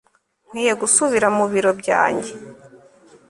nkwiye gusubira mu biro byanjye